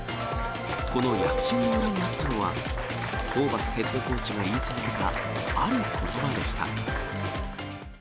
この躍進の裏にあったのは、ホーバスヘッドコーチが言い続けたあることばでした。